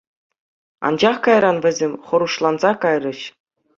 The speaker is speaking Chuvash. Анчах кайран вӗсем хӑрушланса кайрӗҫ.